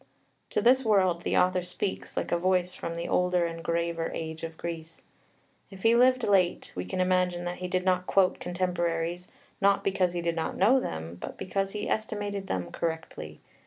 To this world the author speaks like a voice from the older and graver age of Greece. If he lived late, we can imagine that he did not quote contemporaries, not because he did not know them, but because he estimated them correctly.